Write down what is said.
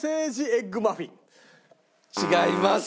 違います！